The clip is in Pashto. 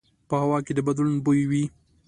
په هوا کې د بدلون بوی وي